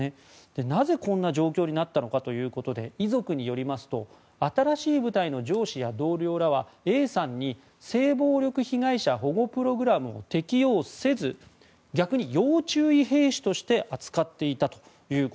なぜ、こんな状況になったのかということで遺族によりますと新しい部隊の上司や同僚らはＡさんに性暴力被害者保護プログラムを適用せず逆に要注意兵士として扱っていたと。